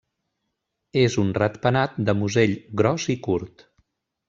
És un ratpenat de musell gros i curt.